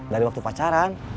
dari waktu pacaran